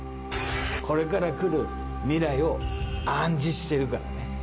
これからくる未来を暗示してるからね。